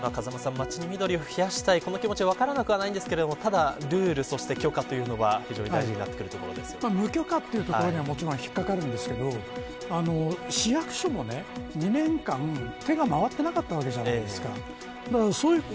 町に緑を増やしたいという気持ちは分からなくはないですがただ、ルール、そして許可というのは非常に大事に無許可というところは引っかかってきますが市役所も２年間、手が回っていなかったわけですよね。